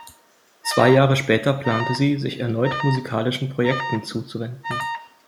Zwei Jahre später plante sie, sich erneut musikalischen Projekten zuzuwenden.